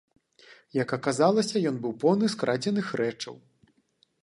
Як аказалася, ён быў поўны скрадзеных рэчаў.